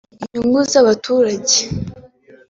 inyungu z’abaturage